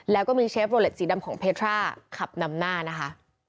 แล้วก็มีเชฟโรเล็ตสีดำของเพทราขับนำหน้านะคะ